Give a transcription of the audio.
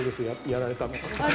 やられたのは。